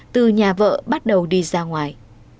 từ nhà vợ bắt đầu đi ra ngoài